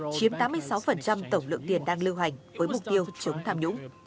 chiếm tám mươi sáu tổng lượng tiền đang lưu hành với mục tiêu chống tham nhũng